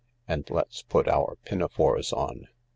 And let's put our piriafores on.